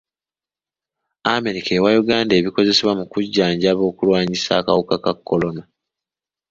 America ewa Uganda ebikozesebwa mu kujjanjaba okulwanyisa akawuka ka kolona.